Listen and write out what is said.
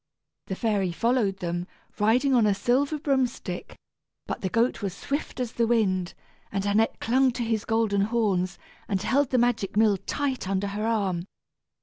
The fairy followed them, riding on a silver broom stick; but the goat was swift as the wind, and Annette clung to his golden horns, and held the magic mill tight under her arm.